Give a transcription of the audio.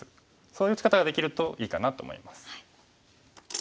そういう打ち方ができるといいかなと思います。